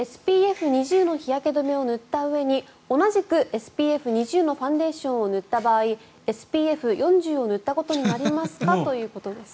ＳＰＦ２０の日焼け止めを塗ったうえに同じくＳＰＦ２０のファンデーションを塗った場合ＳＰＦ４０を塗ったことになりますかということです。